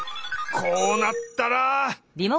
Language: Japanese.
こうなったら。